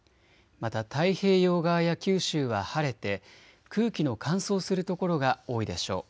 また太平洋側や九州は晴れて空気の乾燥する所が多いでしょう。